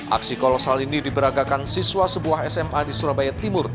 aksi kolosal ini diberagakan siswa sebuah sma di surabaya timur